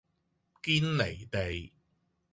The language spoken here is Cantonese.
堅離地